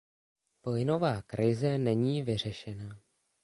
Plynová krize není vyřešena.